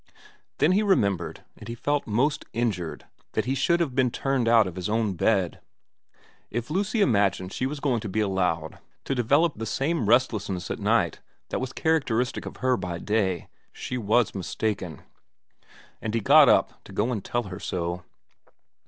Then he remembered, and he felt most injured that he should have been turned out of his own bed. If Lucy imagined she was going to be allowed to develop the same restlessness at night that was characteristic of her by day, she was mistaken ; and he got up to go and tell her so.